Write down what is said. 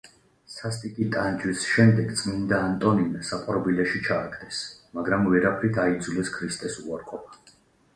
სასტიკი ტანჯვის შემდეგ წმიდა ანტონინა საპყრობილეში ჩააგდეს, მაგრამ ვერაფრით აიძულეს ქრისტეს უარყოფა.